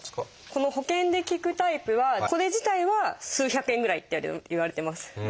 この保険が利くタイプはこれ自体は数百円ぐらいっていわれてます。